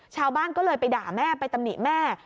ชาวบ้านก็เลยไปด่าแม่ไปตำหนิแม่